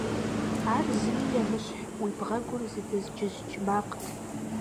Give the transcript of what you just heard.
Ар зыми емыщхь, уи бгъэгур зыдэзджыздж макът.